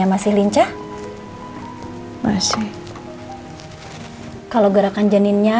itu melebihi automataicios persis di lainnya